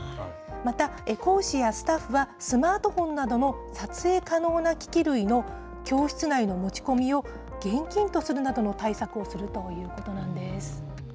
また、講師やスタッフは、スマートフォンなどの撮影可能な機器類の教室内の持ち込みを厳禁とするなどの対策をするということなんです。